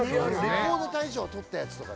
レコード大賞取ったやつとか。